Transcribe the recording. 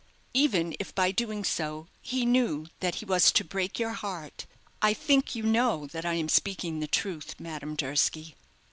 even if by doing so he knew that he was to break your heart. I think you know that I am speaking the truth, Madame Durski?"